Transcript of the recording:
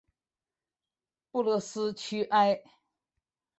勒布斯屈埃。